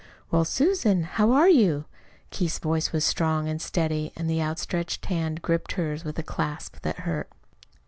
"Well, Susan, how are you?" Keith's voice was strong and steady, and the outstretched hand gripped hers with a clasp that hurt.